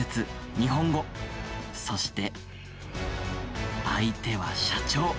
日本語、そして相手は社長。